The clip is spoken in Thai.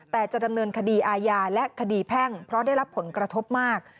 แต่จะดำเนินคดีอาญาและคดีแพ่งเพราะได้รับผลกระทบมาก